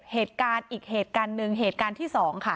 เหตุการณ์อีกเหตุการณ์หนึ่งเหตุการณ์ที่สองค่ะ